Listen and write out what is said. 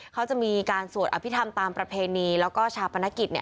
เขาจะมีการสวดอภิษฐรรมตามประเพณีแล้วก็ชาปนกิจเนี่ย